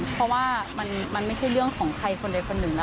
เพราะว่ามันไม่ใช่เรื่องของใครคนใดคนหนึ่งนะ